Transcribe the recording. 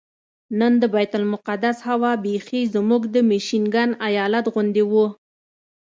نن د بیت المقدس هوا بیخي زموږ د میشیګن ایالت غوندې وه.